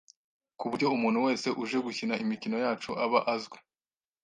ku buryo umuntu wese uje gukina imikino yacu aba azwi